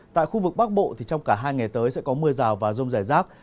tại khu vực bắc bộ thì trong cả hai ngày tới sẽ có mưa rào và rông rải rác